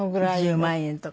１０万円とか。